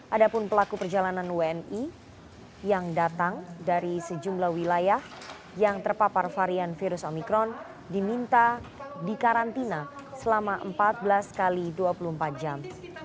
ada pun pelaku perjalanan wni yang datang dari sejumlah wilayah yang terpapar varian virus omikron diminta dikarantina selama empat belas x dua puluh empat jam